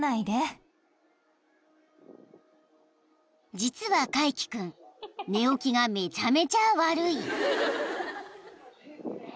［実はカイキ君寝起きがめちゃめちゃ悪い］